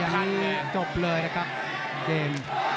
อันนี้จบเลยนะครับเกม